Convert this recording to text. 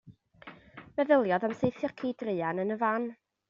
Meddyliodd am saethu'r ci, druan, yn y fan.